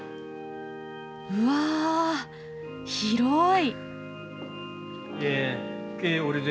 うわ広い！